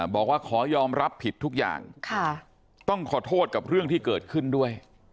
บอกว่าขอยอมรับผิดทุกอย่างต้องขอโทษกับเรื่องที่เกิดขึ้นด้วย